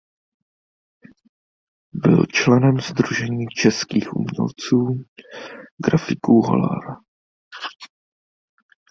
Byl členem Sdružení českých umělců grafiků Hollar.